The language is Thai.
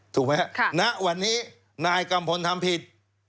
ถูกไหมครับณวันนี้นายกัมพลทำผิด